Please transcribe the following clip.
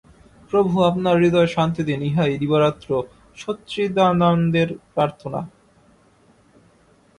প্রভু আপনার হৃদয়ে শান্তি দিন, ইহাই দিবারাত্র সচ্চিদানন্দের প্রার্থনা।